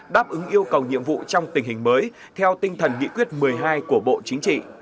đáp ứng yêu cầu nhiệm vụ trong tình hình mới theo tinh thần nghị quyết một mươi hai của bộ chính trị